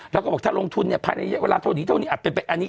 แล้วก็บอกถ้าลงทุนเนี่ยภายในเวลาเท่านี้เท่านี้